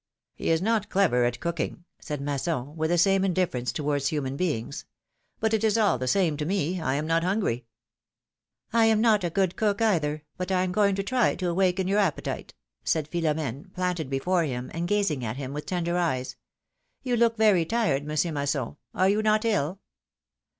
" He is not clever at cooking," said Masson, with the same indifference towards human things; "but it is all the same to me — I am not hungry." " I am not a good cook either, but I am going to try to awaken your appetite," said Philomene, planted before him, and gazing at him with tender eyes. "You look very tired. Monsieur Masson; are you not ill?"